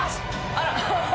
あら！